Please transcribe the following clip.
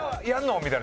みたいな。